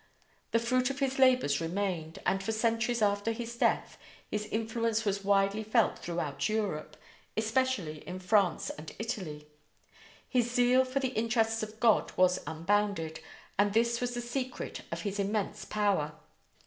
The fruit of his labors remained; and for centuries after his death his influence was widely felt throughout Europe, especially in France and Italy. His zeal for the interests of God was unbounded, and this was the secret of his immense power.